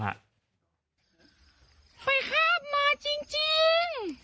ไปคาบมาจริงจริง